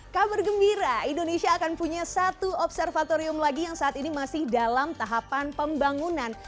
kabar gembira indonesia akan punya satu observatorium lagi yang saat ini masih dalam tahapan pembangunan